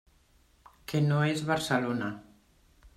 Que no és Barcelona.